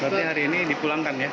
berarti hari ini dipulangkan ya